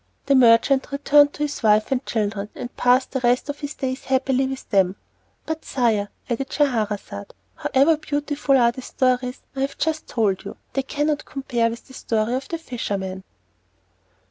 The merchant returned to his wife and children, and passed the rest of his days happily with them. "But, sire," added Scheherazade, "however beautiful are the stories I have just told you, they cannot compare with the story of the Fisherman."